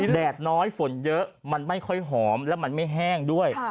แดดน้อยฝนเยอะมันไม่ค่อยหอมและมันไม่แห้งด้วย